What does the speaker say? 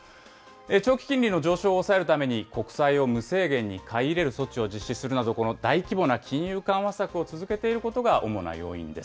長期金利の上昇を抑えるために国債を無制限に買い入れる措置を実施するなど、この大規模な金融緩和策を続けていることが主な要因です。